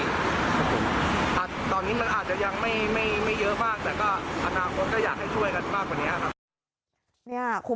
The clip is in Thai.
ครับผมตอนนี้มันอาจจะยังไม่เยอะบ้าง